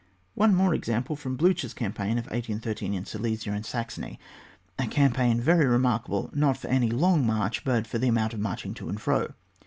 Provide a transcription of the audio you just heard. One more example from Bliicher's campaign of 1813 in Silesia and Saxony, a campaign very remarkable not for any long march but for the amount of march ing to and fro.